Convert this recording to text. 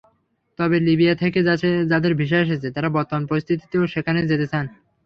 তবে লিবিয়া থেকে যাঁদের ভিসা এসেছে, তাঁরা বর্তমান পরিস্থিতিতেও সেখানে যেতে চান।